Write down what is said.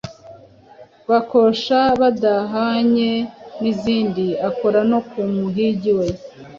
Bakosha badahannye”, n’izindi. Akora no ku muhigi we